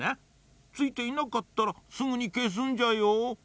ついていなかったらすぐにけすんじゃよ。